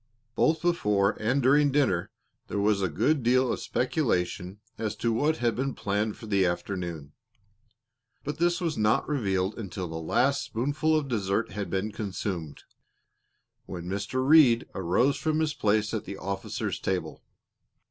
Both before and during dinner, there was a good deal of speculation as to what had been planned for the afternoon. But this was not revealed until the last spoonful of dessert had been consumed, when Mr. Reed arose from his place at the officers' table.